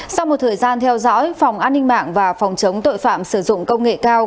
sau một thời gian theo dõi phòng an ninh mạng và phòng chống tội phạm sử dụng công nghệ cao